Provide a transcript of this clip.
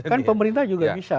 kan pemerintah juga bisa